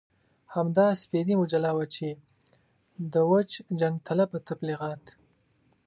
همدا سپېدې مجله وه چې د وچ جنګ طلبه تبليغات.